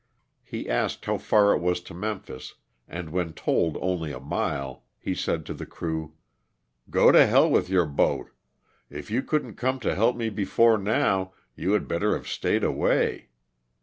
He asked how far it was to Memphis, and when told only a mile, he said to the crew, ''Go to hell with your boat; if you couldn't come to help me before now you had better have stayed awa^?